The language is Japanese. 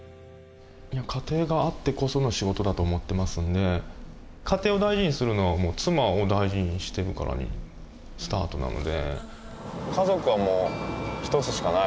家庭があってこその仕事だと思ってますんで家庭を大事にするのは妻を大事にしてるからスタートなので。